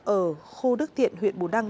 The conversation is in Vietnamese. ở khu đức thiện huyện bù đăng